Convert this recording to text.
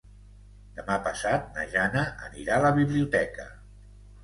Demà passat na Jana anirà a la biblioteca.